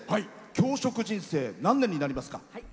教職人生、何年になりますか。